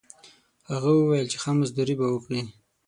هغه وویل چې ښه مزدوري به ورکړي.